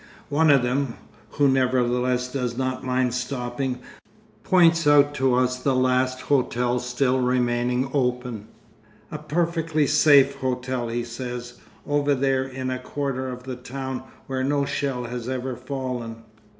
One of them, who nevertheless does not mind stopping, points out to us the last hotel still remaining open, a "perfectly safe" hotel, he says, over there in a quarter of the town where no shell has ever fallen.